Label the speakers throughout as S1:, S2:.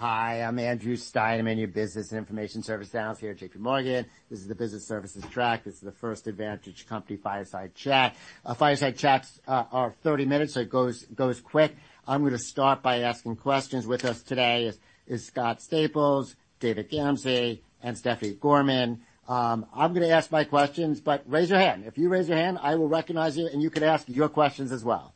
S1: Hi, I'm Andrew Steinerman, your Business and Information Service Analyst here at JPMorgan. This is the Business Services track. This is the First Advantage Company Fireside Chat. Our Fireside Chats are 30 minutes, so it goes quick. I'm gonna start by asking questions. With us today is Scott Staples, David Gamsey, and Stephanie Gorman. I'm gonna ask my questions, but raise your hand. If you raise your hand, I will recognize you, and you could ask your questions as well.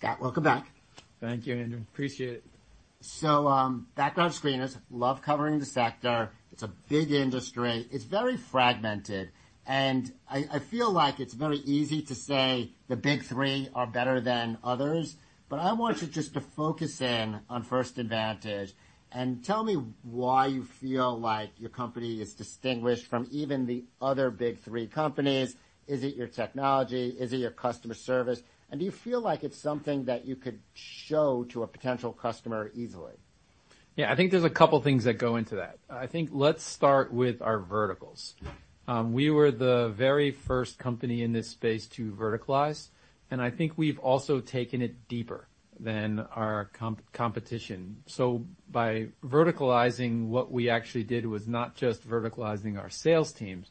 S1: Scott, welcome back.
S2: Thank you, Andrew. Appreciate it.
S1: So, background screeners love covering the sector. It's a big industry. It's very fragmented, and I feel like it's very easy to say the Big Three are better than others. But I want you just to focus in on First Advantage, and tell me why you feel like your company is distinguished from even the other Big Three companies. Is it your technology? Is it your customer service? And do you feel like it's something that you could show to a potential customer easily?
S2: Yeah, I think there's a couple things that go into that. I think let's start with our verticals. We were the very first company in this space to verticalize, and I think we've also taken it deeper than our competition. So by verticalizing, what we actually did was not just verticalizing our sales teams,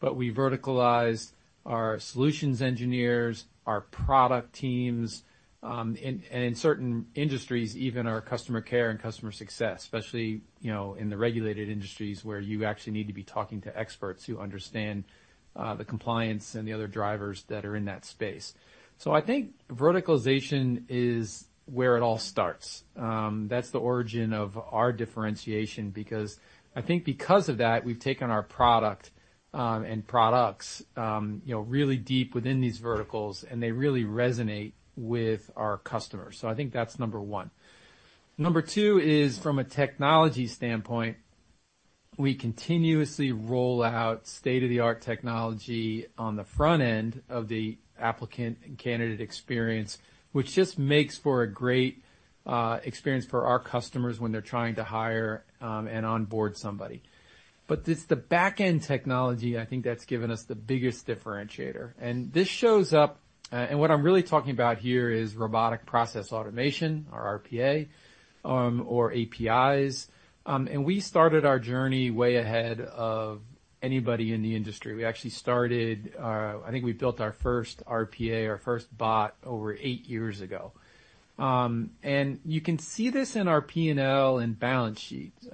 S2: but we verticalized our solutions engineers, our product teams, and in certain industries, even our customer care and customer success, especially, you know, in the regulated industries, where you actually need to be talking to experts who understand the compliance and the other drivers that are in that space. So I think verticalization is where it all starts. That's the origin of our differentiation, because I think because of that, we've taken our product, and products, you know, really deep within these verticals, and they really resonate with our customers. So I think that's number one. Number two is, from a technology standpoint, we continuously roll out state-of-the-art technology on the front end of the applicant and candidate experience, which just makes for a great, experience for our customers when they're trying to hire, and onboard somebody. But it's the back-end technology, I think, that's given us the biggest differentiator, and this shows up... And what I'm really talking about here is robotic process automation, or RPA, or APIs. And we started our journey way ahead of anybody in the industry. We actually started, I think we built our first RPA, our first bot, over eight years ago. You can see this in our P&L and balance sheets,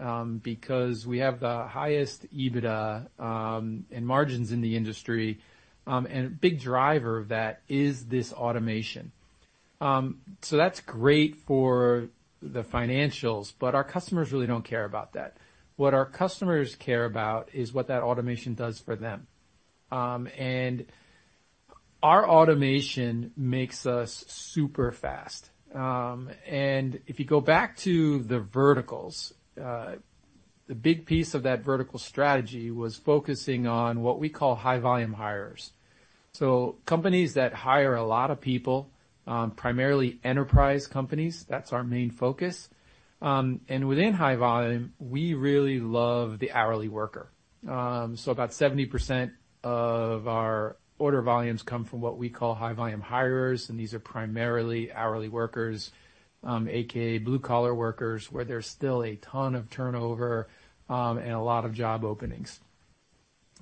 S2: because we have the highest EBITDA and margins in the industry, and a big driver of that is this automation. That's great for the financials, but our customers really don't care about that. What our customers care about is what that automation does for them. Our automation makes us super fast. If you go back to the verticals, the big piece of that vertical strategy was focusing on what we call high-volume hirers. Companies that hire a lot of people, primarily enterprise companies, that's our main focus. Within high volume, we really love the hourly worker. So about 70% of our order volumes come from what we call High-Volume Hirers, and these are primarily hourly workers, aka blue-collar workers, where there's still a ton of turnover, and a lot of job openings.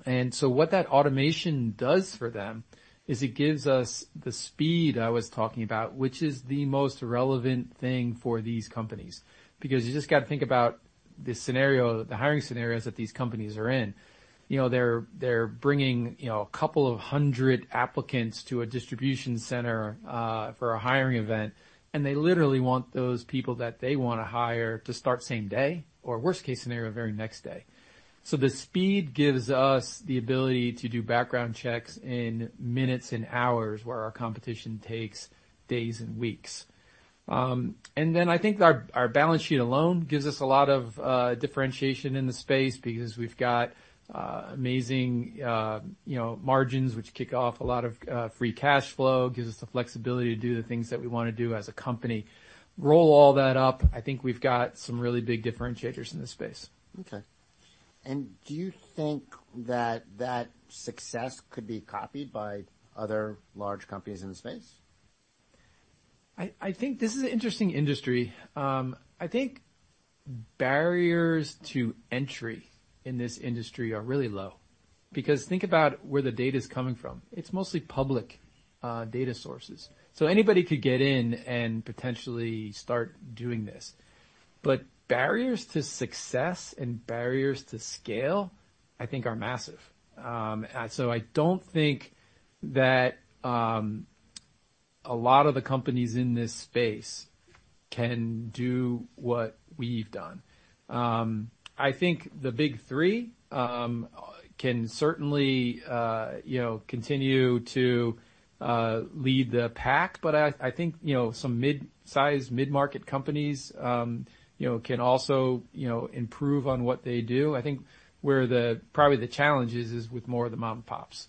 S2: And so what that automation does for them is it gives us the speed I was talking about, which is the most relevant thing for these companies, because you just got to think about the scenario, the hiring scenarios that these companies are in. You know, they're, they're bringing, you know, a couple of 100 applicants to a distribution center, for a hiring event, and they literally want those people that they want to hire to start same day or, worst case scenario, very next day. So the speed gives us the ability to do background checks in minutes and hours, where our competition takes days and weeks. I think our balance sheet alone gives us a lot of differentiation in the space because we've got amazing, you know, margins, which kick off a lot of free cash flow, gives us the flexibility to do the things that we want to do as a company. Roll all that up, I think we've got some really big differentiators in this space.
S1: Okay. Do you think that that success could be copied by other large companies in the space?
S2: I think this is an interesting industry. I think barriers to entry in this industry are really low because think about where the data is coming from. It's mostly public data sources, so anybody could get in and potentially start doing this. But barriers to success and barriers to scale, I think, are massive. So I don't think that a lot of the companies in this space can do what we've done. I think the Big Three can certainly you know continue to lead the pack, but I think, you know, some mid-sized, mid-market companies, you know, can also, you know, improve on what they do. I think where probably the challenge is with more of the mom-and-pops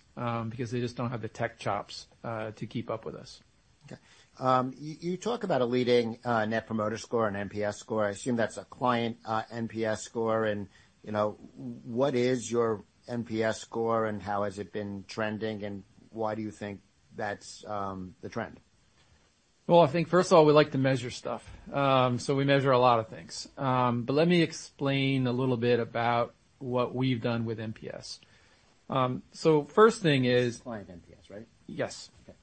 S2: because they just don't have the tech chops to keep up with us.
S1: Okay. You talk about a leading net promoter score, an NPS score. I assume that's a client NPS score. You know, what is your NPS score, and how has it been trending, and why do you think that's the trend?...
S2: Well, I think first of all, we like to measure stuff, so we measure a lot of things. But let me explain a little bit about what we've done with NPS. So first thing is-
S1: Client NPS, right?
S2: Yes.
S1: Okay.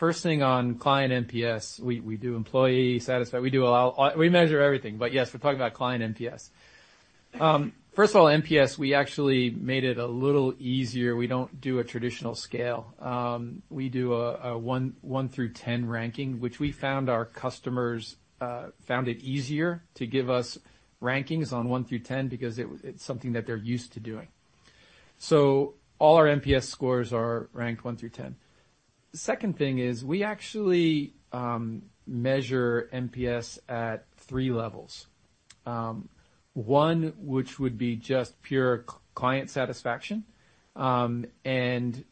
S2: First thing on client NPS, we do a lot, we measure everything. But yes, we're talking about client NPS. First of all, NPS, we actually made it a little easier. We don't do a traditional scale. We do a 1 through 10 ranking, which we found our customers found it easier to give us rankings on 1 through 10 because it's something that they're used to doing. So all our NPS scores are ranked 1 through 10. The second thing is, we actually measure NPS at 3 levels. One, which would be just pure client satisfaction. And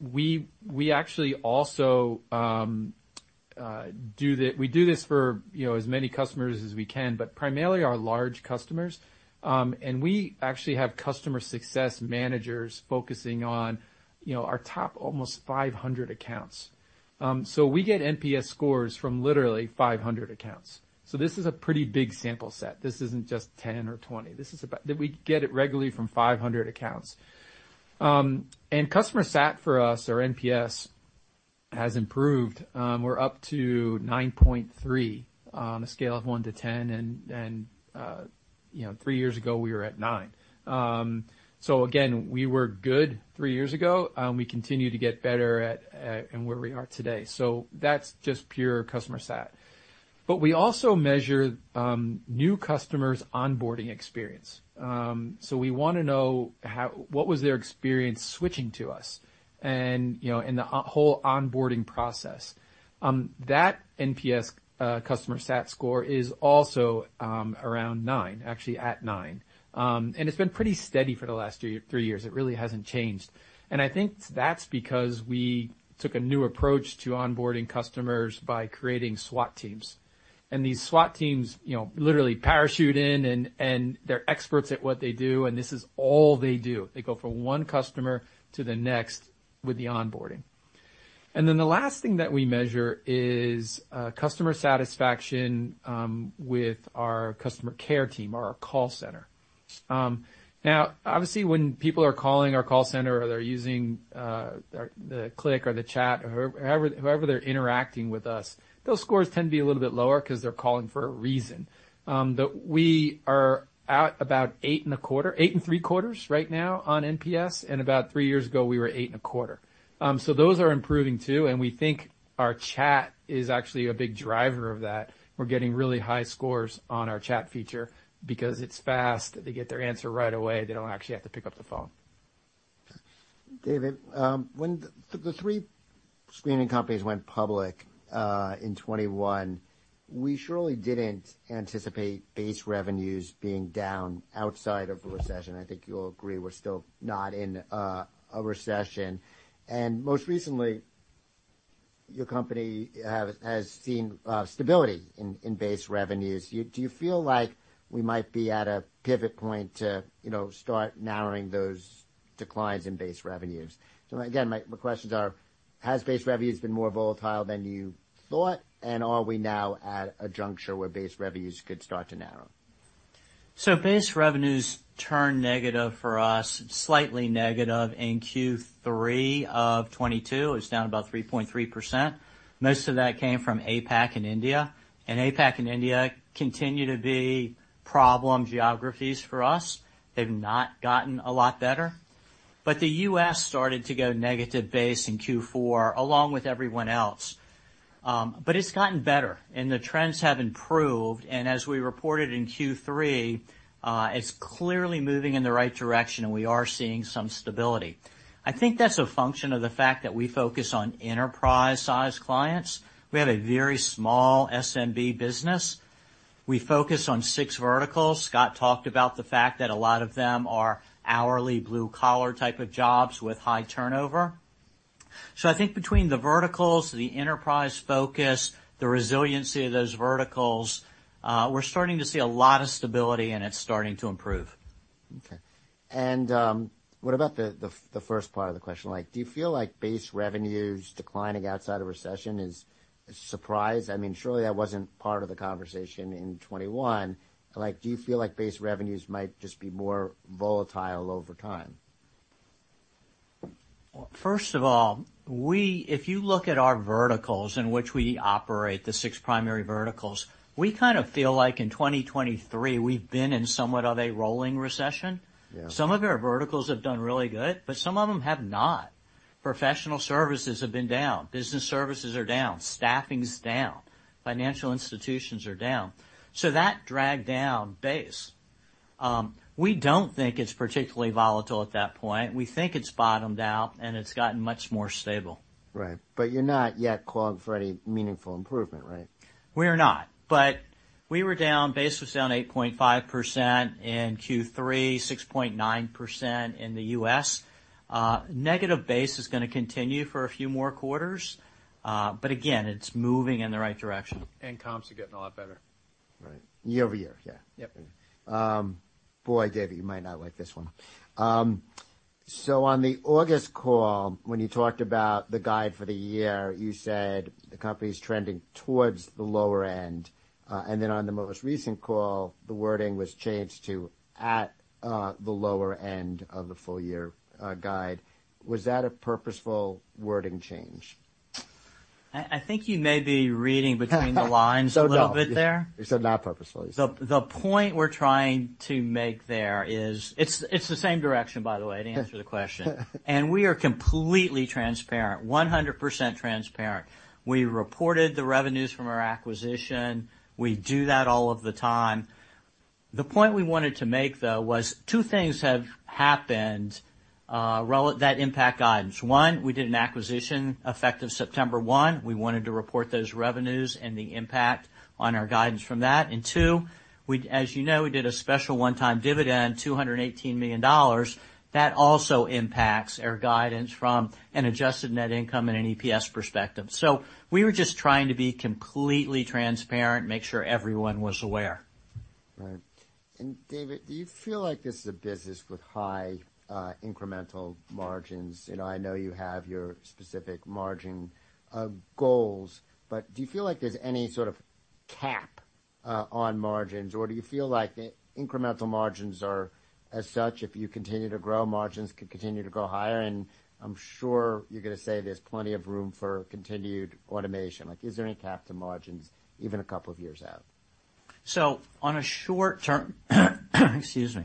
S2: we actually also do this for, you know, as many customers as we can, but primarily our large customers. And we actually have customer success managers focusing on, you know, our top almost 500 accounts. So we get NPS scores from literally 500 accounts. So this is a pretty big sample set. This isn't just 10 or 20. This is about... We get it regularly from 500 accounts. And customer sat for us, or NPS, has improved. We're up to 9.3 on a scale of 1 to 10, and, and, you know, three years ago, we were at nine. So again, we were good three years ago, and we continue to get better at, and where we are today. So that's just pure customer sat. But we also measure new customers' onboarding experience. So we wanna know what was their experience switching to us and, you know, and the whole onboarding process. That NPS, customer sat score is also around 9, actually at 9. And it's been pretty steady for the last two, three years. It really hasn't changed. And I think that's because we took a new approach to onboarding customers by creating SWAT teams. And these SWAT teams, you know, literally parachute in, and they're experts at what they do, and this is all they do. They go from one customer to the next with the onboarding. And then the last thing that we measure is customer satisfaction with our customer care team, our call center. Now, obviously, when people are calling our call center or they're using our, the click or the chat or however they're interacting with us, those scores tend to be a little bit lower 'cause they're calling for a reason. But we are at about 8.25, 8.75 right now on NPS, and about 3 years ago, we were 8.25. So those are improving, too, and we think our chat is actually a big driver of that. We're getting really high scores on our chat feature because it's fast. They get their answer right away. They don't actually have to pick up the phone.
S1: David, when the three screening companies went public in 2021, we surely didn't anticipate base revenues being down outside of a recession. I think you'll agree, we're still not in a recession. And most recently, your company has seen stability in base revenues. Do you feel like we might be at a pivot point to, you know, start narrowing those declines in base revenues? So again, my questions are: Has base revenues been more volatile than you thought? And are we now at a juncture where base revenues could start to narrow?
S3: So base revenues turn negative for us, slightly negative in Q3 of 2022. It's down about 3.3%. Most of that came from APAC and India, and APAC and India continue to be problem geographies for us. They've not gotten a lot better, but the U.S. started to go negative base in Q4, along with everyone else. But it's gotten better, and the trends have improved, and as we reported in Q3, it's clearly moving in the right direction, and we are seeing some stability. I think that's a function of the fact that we focus on enterprise-sized clients. We have a very small SMB business. We focus on six verticals. Scott talked about the fact that a lot of them are hourly, blue-collar type of jobs with high turnover. So I think between the verticals, the enterprise focus, the resiliency of those verticals, we're starting to see a lot of stability, and it's starting to improve.
S1: Okay. What about the first part of the question? Like, do you feel like base revenues declining outside of recession is a surprise? I mean, surely that wasn't part of the conversation in 2021. Like, do you feel like base revenues might just be more volatile over time?
S3: First of all, if you look at our verticals in which we operate, the six primary verticals, we kind of feel like in 2023, we've been in somewhat of a rolling recession.
S1: Yeah.
S3: Some of our verticals have done really good, but some of them have not. Professional services have been down, business services are down, staffing's down, financial institutions are down. So that dragged down base. We don't think it's particularly volatile at that point. We think it's bottomed out, and it's gotten much more stable.
S1: Right. But you're not yet calling for any meaningful improvement, right?
S3: We're not, but we were down, base was down 8.5% in Q3, 6.9% in the U.S. Negative base is gonna continue for a few more quarters, but again, it's moving in the right direction.
S2: Comps are getting a lot better....
S1: Right. Year-over-year? Yeah.
S3: Yep.
S1: Boy, David, you might not like this one. So on the August call, when you talked about the guide for the year, you said the company's trending towards the lower end. And then on the most recent call, the wording was changed to at the lower end of the full year guide. Was that a purposeful wording change?
S3: I think you may be reading between the lines.
S1: So no-
S3: A little bit there.
S1: So not purposefully.
S3: The point we're trying to make there is... It's the same direction, by the way, to answer the question. We are completely transparent, 100% transparent. We reported the revenues from our acquisition. We do that all of the time. The point we wanted to make, though, was two things have happened that impact guidance. One, we did an acquisition effective September 1. We wanted to report those revenues and the impact on our guidance from that. Two, as you know, we did a special one-time dividend, $218 million. That also impacts our guidance from an adjusted net income and an EPS perspective. We were just trying to be completely transparent, make sure everyone was aware.
S1: Right. And David, do you feel like this is a business with high, incremental margins? You know, I know you have your specific margin, goals, but do you feel like there's any sort of cap, on margins, or do you feel like the incremental margins are as such, if you continue to grow, margins could continue to go higher? And I'm sure you're going to say there's plenty of room for continued automation. Like, is there any cap to margins, even a couple of years out?
S3: So on a short term, excuse me.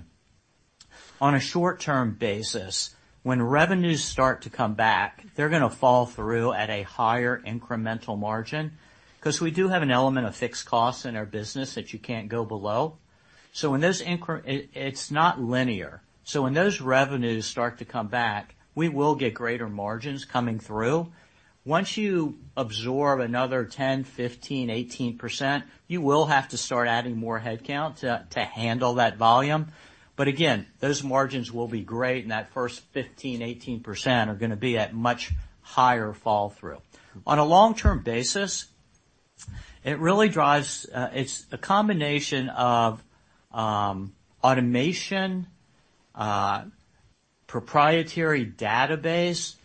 S3: On a short-term basis, when revenues start to come back, they're going to fall through at a higher incremental margin, 'cause we do have an element of fixed costs in our business that you can't go below. So when those, it's not linear. So when those revenues start to come back, we will get greater margins coming through. Once you absorb another 10, 15, 18%, you will have to start adding more headcount to handle that volume. But again, those margins will be great, and that first 15, 18% are going to be at much higher fall through. On a long-term basis, it really drives. It's a combination of automation, proprietary database,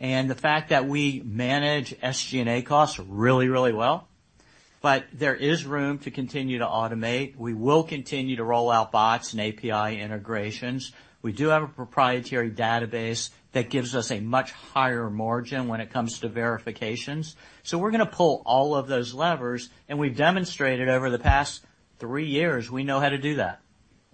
S3: and the fact that we manage SG&A costs really, really well. But there is room to continue to automate. We will continue to roll out bots and API integrations. We do have a proprietary database that gives us a much higher margin when it comes to verifications. So we're going to pull all of those levers, and we've demonstrated over the past three years, we know how to do that.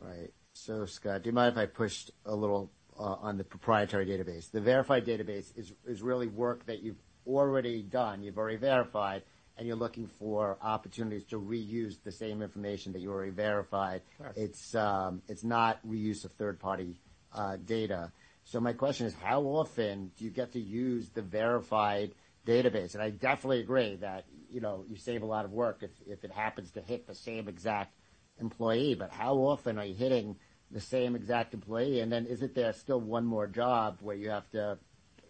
S1: Right. So, Scott, do you mind if I pushed a little on the proprietary database? The Verified database is really work that you've already done, you've already verified, and you're looking for opportunities to reuse the same information that you already verified.
S2: Correct.
S1: It's not reuse of third-party data. So my question is: how often do you get to use the Verified database? And I definitely agree that, you know, you save a lot of work if it happens to hit the same exact employee, but how often are you hitting the same exact employee? And then, is there still one more job where you have to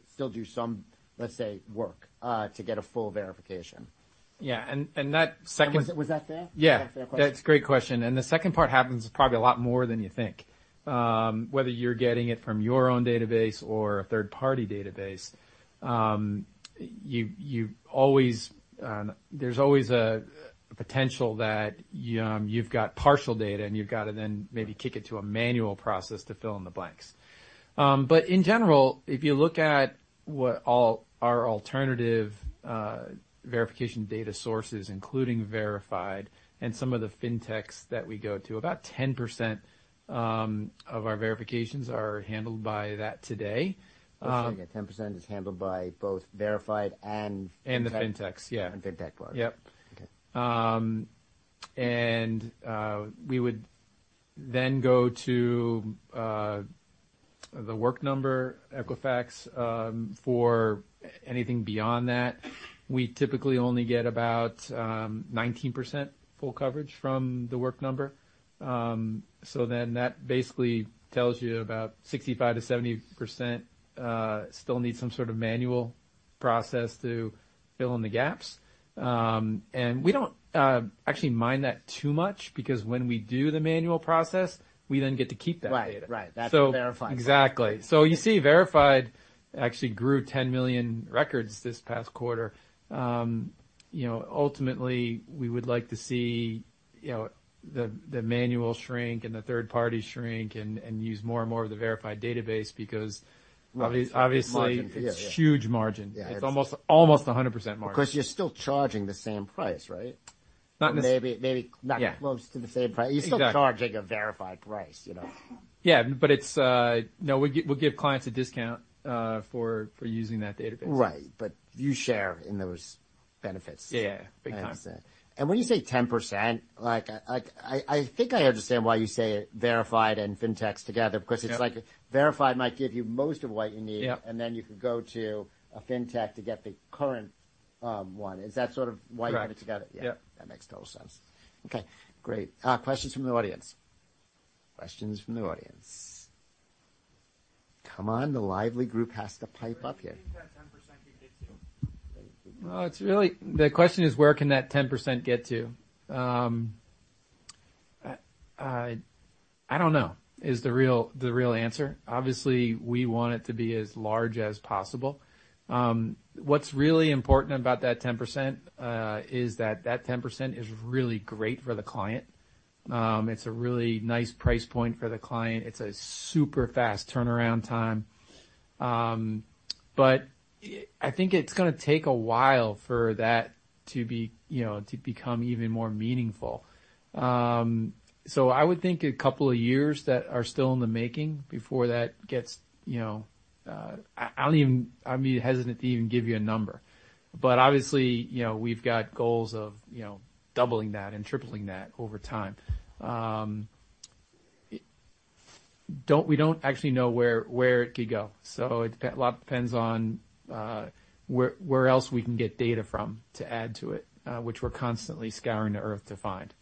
S1: still do some, let's say, work to get a full verification?
S2: Yeah, and that second-
S1: Was that, was that fair?
S2: Yeah.
S1: Fair question.
S2: That's a great question. And the second part happens probably a lot more than you think. Whether you're getting it from your own database or a third-party database, you always, there's always a potential that you've got partial data, and you've got to then maybe kick it to a manual process to fill in the blanks. But in general, if you look at what all our alternative verification data sources, including Verified and some of the fintechs that we go to, about 10% of our verifications are handled by that today,
S1: Okay, 10% is handled by both Verified and-
S2: The fintechs, yeah.
S1: And Fintech plus.
S2: Yep.
S1: Okay.
S2: We would then go to The Work Number, Equifax, for anything beyond that. We typically only get about 19% full coverage from The Work Number. So then that basically tells you about 65%-70% still need some sort of manual process to fill in the gaps. And we don't actually mind that too much, because when we do the manual process, we then get to keep that data.
S1: Right. Right.
S2: So-
S1: That's Verified.
S2: Exactly. So you see, Verified actually grew 10 million records this past quarter. You know, ultimately, we would like to see, you know, the manual shrink and the third party shrink and use more and more of the Verified database because obviously-
S1: Margin.
S2: It's huge margin.
S1: Yeah.
S2: It's almost, almost 100% margin.
S1: Of course, you're still charging the same price, right?
S2: Not necessarily.
S1: Maybe, maybe-
S2: Yeah.
S1: not close to the same price.
S2: Exactly.
S1: You're still charging a Verified price, you know?
S2: Yeah, but it's... No, we give clients a discount for using that database.
S1: Right. But you share in those benefits.
S2: Yeah, big time.
S1: When you say 10%, like, I think I understand why you say Verified and fintechs together-
S2: Yeah...
S1: because it's like Verified might give you most of what you need.
S2: Yeah.
S1: And then you could go to a fintech to get the current, one. Is that sort of why-
S2: Right
S1: You put it together?
S2: Yep.
S1: That makes total sense. Okay, great. Questions from the audience. Questions from the audience?... Come on, the lively group has to pipe up here. Where do you think that 10% could get to?
S2: Well, it's really the question is, where can that 10% get to? I don't know is the real answer. Obviously, we want it to be as large as possible. What's really important about that 10%, is that that 10% is really great for the client. It's a really nice price point for the client. It's a super-fast turnaround time. But I think it's gonna take a while for that to be, you know, to become even more meaningful. So I would think a couple of years that are still in the making before that gets, you know... I don't even—I'd be hesitant to even give you a number, but obviously, you know, we've got goals of, you know, doubling that and tripling that over time. We don't actually know where it could go, so a lot depends on where else we can get data from to add to it, which we're constantly scouring the Earth to find.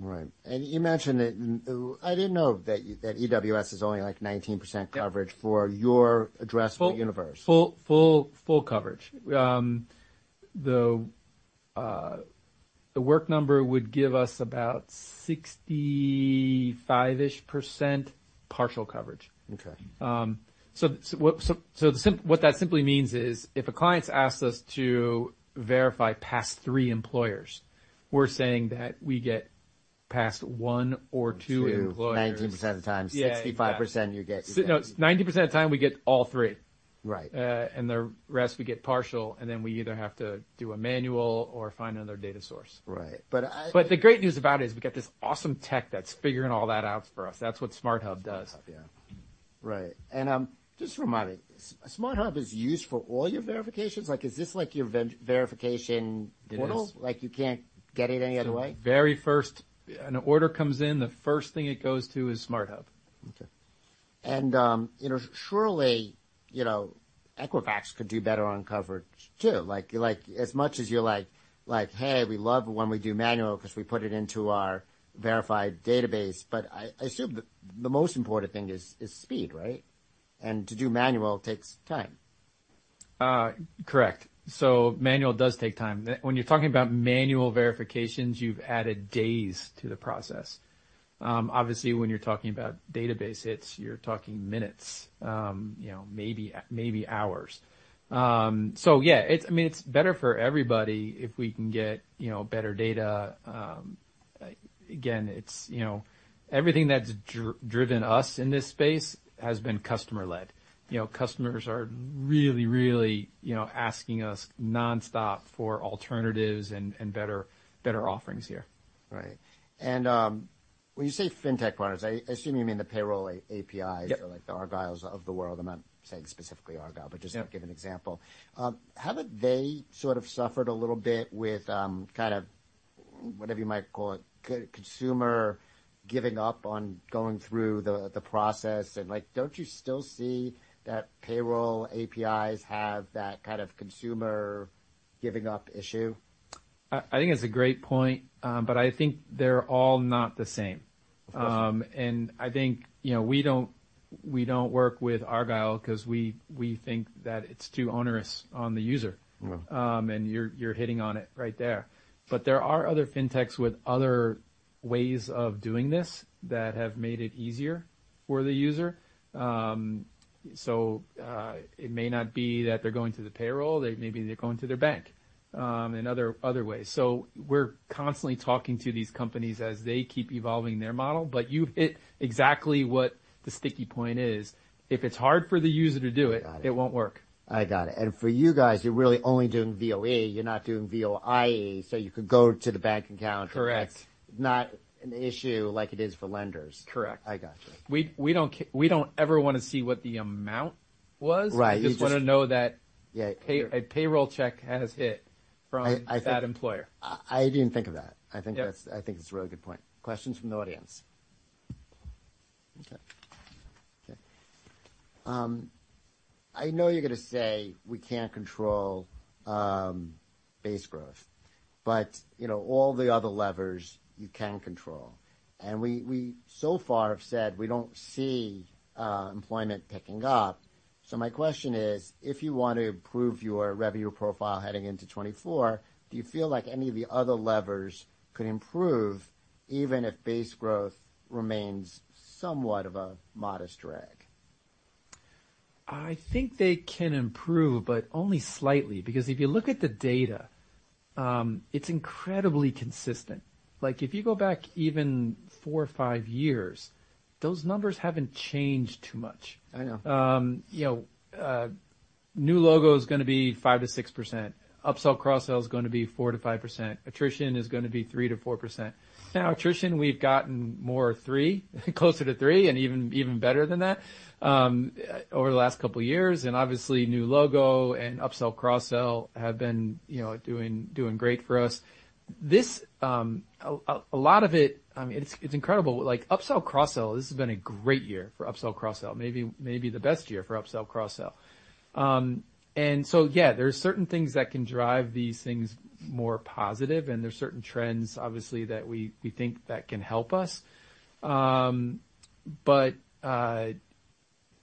S1: Right. And you mentioned it, and I didn't know that, that EWS is only, like, 19%-
S2: Yep...
S1: coverage for your addressable universe.
S2: Full coverage. The Work Number would give us about 65%-ish partial coverage.
S1: Okay.
S2: So what that simply means is, if a client's asked us to verify past three employers, we're saying that we get past one or two-
S1: Two...
S2: employers.
S1: 19% of the time.
S2: Yeah.
S1: 65%, you get-
S2: No, 90% of the time, we get all three.
S1: Right.
S2: The rest, we get partial, and then we either have to do a manual or find another data source.
S1: Right. But I-
S2: But the great news about it is we've got this awesome tech that's figuring all that out for us. That's what SmartHub does.
S1: Yeah. Right, and, just remind me, SmartHub is used for all your verifications? Like, is this like your verification-
S2: It is...
S1: portal? Like, you can't get it any other way.
S2: Very first... An order comes in, the first thing it goes to is SmartHub.
S1: Okay. And, you know, surely, you know, Equifax could do better on coverage, too. Like, like, as much as you're like, like, "Hey, we love it when we do manual because we put it into our Verified database," but I assume the most important thing is speed, right? And to do manual takes time.
S2: Correct. So manual does take time. When you're talking about manual verifications, you've added days to the process. Obviously, when you're talking about database hits, you're talking minutes, you know, maybe, maybe hours. So yeah, it's... I mean, it's better for everybody if we can get, you know, better data. Again, it's, you know... Everything that's driven us in this space has been customer-led. You know, customers are really, really, you know, asking us nonstop for alternatives and, and better, better offerings here.
S1: Right. And, when you say fintech partners, I assume you mean the payroll APIs-
S2: Yep...
S1: so like the Argyle's of the world. I'm not saying specifically Argyle-
S2: Yep...
S1: but just to give an example. Haven't they sort of suffered a little bit with, kind of, whatever you might call it, co-consumer giving up on going through the, the process, and like, don't you still see that payroll APIs have that kind of consumer giving up issue?
S2: I think it's a great point, but I think they're all not the same.
S1: Okay.
S2: I think, you know, we don't, we don't work with Argyle 'cause we, we think that it's too onerous on the user.
S1: Mm-hmm.
S2: You're hitting on it right there. But there are other fintechs with other ways of doing this that have made it easier for the user. It may not be that they're going to the payroll, they, maybe they're going to their bank, and other ways. We're constantly talking to these companies as they keep evolving their model, but you've hit exactly what the sticky point is. If it's hard for the user to do it-
S1: Got it.
S2: It won't work.
S1: I got it. And for you guys, you're really only doing VOE, you're not doing VOIE, so you could go to the bank account-
S2: Correct.
S1: and it's not an issue like it is for lenders.
S2: Correct.
S1: I got you.
S2: We don't ever wanna see what the amount was.
S1: Right, you just-
S2: We just wanna know that...
S1: Yeah...
S2: a payroll check has hit from-
S1: I, I-
S2: -that employer.
S1: I didn't think of that.
S2: Yep.
S1: I think that's a really good point. Questions from the audience? Okay. Okay. I know you're gonna say, "We can't control base growth," but, you know, all the other levers you can control. And we so far have said we don't see employment picking up. So my question is: If you want to improve your revenue profile heading into 2024, do you feel like any of the other levers could improve, even if base growth remains somewhat of a modest drag?
S2: I think they can improve, but only slightly, because if you look at the data, it's incredibly consistent. Like, if you go back even four or five years, those numbers haven't changed too much.
S1: I know.
S2: You know, new logo is gonna be 5%-6%, upsell, cross-sell is going to be 4%-5%, attrition is gonna be 3%-4%. Now, attrition, we've gotten more 3, closer to 3 and even, even better than that, over the last couple of years, and obviously new logo and upsell, cross-sell have been, you know, doing, doing great for us. This, a lot of it, I mean, it's, it's incredible, like, upsell, cross-sell, this has been a great year for upsell, cross-sell. Maybe, maybe the best year for upsell, cross-sell. And so, yeah, there are certain things that can drive these things more positive, and there are certain trends, obviously, that we, we think that can help us. But...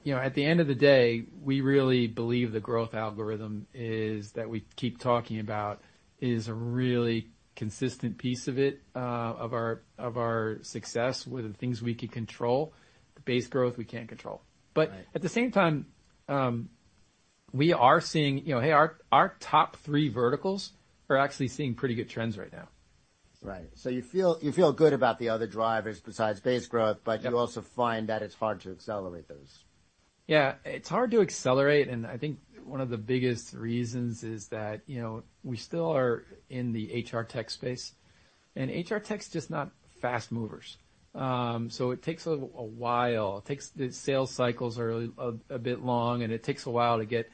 S2: You know, at the end of the day, we really believe the growth algorithm is, that we keep talking about, is a really consistent piece of it, of our success with the things we can control. The base growth, we can't control.
S1: Right.
S2: But at the same time, we are seeing, you know, hey, our top three verticals are actually seeing pretty good trends right now.
S1: Right. So you feel, you feel good about the other drivers besides base growth-
S2: Yep.
S1: but you also find that it's hard to accelerate those?
S2: Yeah, it's hard to accelerate, and I think one of the biggest reasons is that, you know, we still are in the HR Tech space, and HR Tech's just not fast movers. So it takes a while. It takes... The sales cycles are a bit long, and it takes a while to get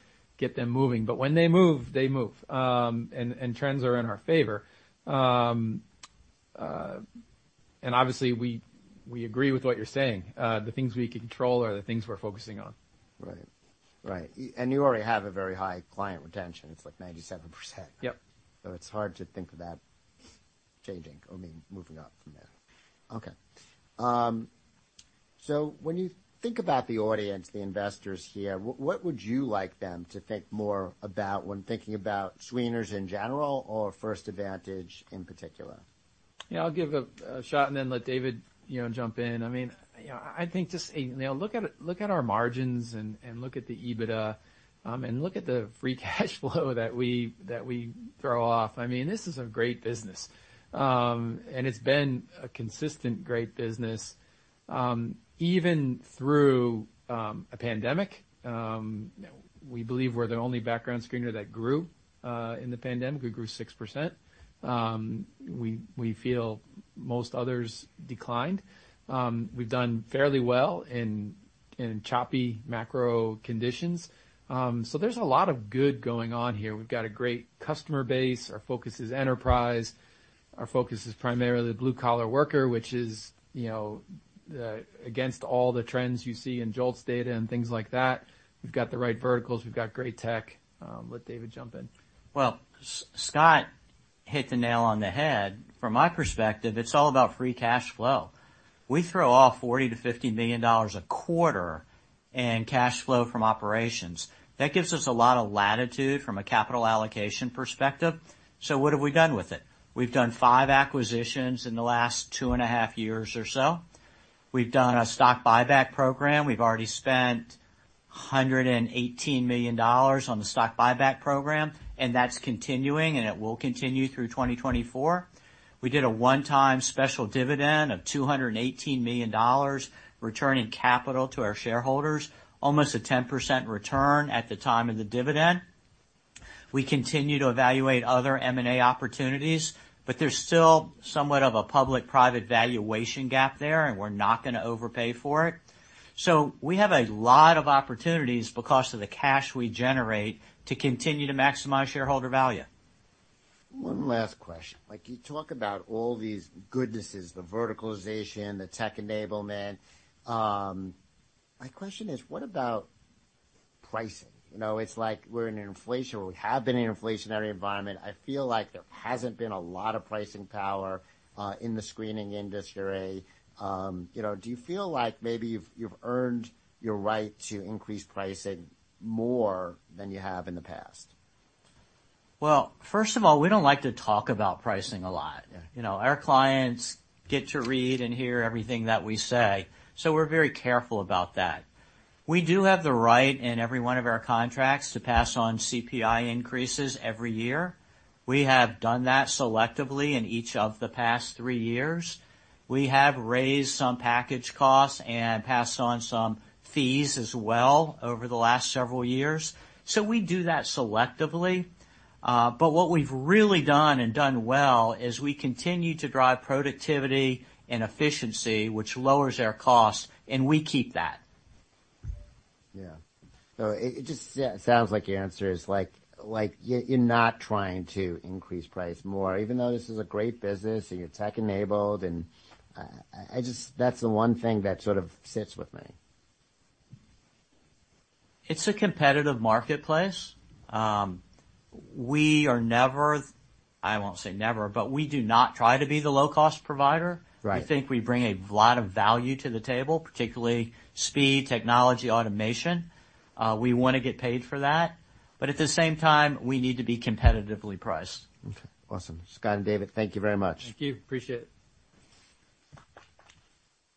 S2: them moving, but when they move, they move. And trends are in our favor. And obviously, we agree with what you're saying. The things we can control are the things we're focusing on.
S1: Right. Right, and you already have a very high client retention. It's like 97%.
S2: Yep.
S1: So it's hard to think of that changing. I mean, moving up from there. Okay. So when you think about the audience, the investors here, what, what would you like them to think more about when thinking about screeners in general or First Advantage in particular?
S2: Yeah, I'll give it a shot and then let David, you know, jump in. I mean, you know, I think just, you know, look at it, look at our margins and look at the EBITDA and look at the free cash flow that we throw off. I mean, this is a great business, and it's been a consistent great business, even through a pandemic. We believe we're the only background screener that grew in the pandemic. We grew 6%. We feel most others declined. We've done fairly well in choppy macro conditions. So there's a lot of good going on here. We've got a great customer base. Our focus is enterprise. Our focus is primarily the blue-collar worker, which is, you know, against all the trends you see in JOLTS data and things like that. We've got the right verticals. We've got great tech. Let David jump in.
S3: Well, Scott hit the nail on the head. From my perspective, it's all about free cash flow. We throw off $40 million-$50 million a quarter in cash flow from operations. That gives us a lot of latitude from a capital allocation perspective. So what have we done with it? We've done 5 acquisitions in the last 2.5 years or so. We've done a stock buyback program. We've already spent $118 million on the stock buyback program, and that's continuing, and it will continue through 2024. We did a one-time special dividend of $218 million, returning capital to our shareholders, almost a 10% return at the time of the dividend. We continue to evaluate other M&A opportunities, but there's still somewhat of a public-private valuation gap there, and we're not gonna overpay for it. We have a lot of opportunities, because of the cash we generate, to continue to maximize shareholder value.
S1: One last question: like, you talk about all these goodnesses, the verticalization, the tech enablement, my question is: What about pricing? You know, it's like we're in an inflation- or we have been in an inflationary environment. I feel like there hasn't been a lot of pricing power in the screening industry. You know, do you feel like maybe you've, you've earned your right to increase pricing more than you have in the past?
S3: Well, first of all, we don't like to talk about pricing a lot. You know, our clients get to read and hear everything that we say, so we're very careful about that. We do have the right in every one of our contracts to pass on CPI increases every year. We have done that selectively in each of the past three years. We have raised some package costs and passed on some fees as well over the last several years, so we do that selectively. But what we've really done, and done well, is we continue to drive productivity and efficiency, which lowers our costs, and we keep that.
S1: Yeah. So it just sounds like your answer is, like, you're not trying to increase price more, even though this is a great business, and you're tech-enabled, and I just... That's the one thing that sort of sits with me.
S3: It's a competitive marketplace. We are never, I won't say never, but we do not try to be the low-cost provider.
S1: Right.
S3: We think we bring a lot of value to the table, particularly speed, technology, automation. We wanna get paid for that, but at the same time, we need to be competitively priced.
S1: Okay, awesome. Scott and David, thank you very much.
S2: Thank you. Appreciate it.